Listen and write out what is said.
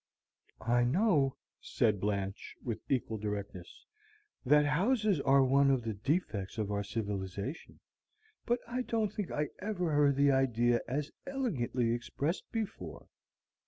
"I know," said Blanche, with equal directness, "that houses are one of the defects of our civilization; but I don't think I ever heard the idea as elegantly expressed before.